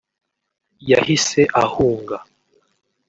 yahise ahunga